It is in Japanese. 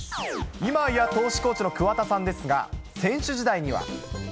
今や投手コーチの桑田さんですが、選手時代には。